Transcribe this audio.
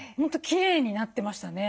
きれいになってましたね。